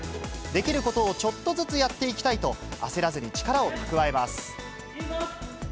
できることをちょっとずつやっていきたいと、焦らずに力を蓄えます。